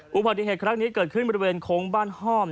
กรู้ผ่านที่เหตุครั้งนี้เกิดขึ้นบริเวณโค้งบ้านฮ่อม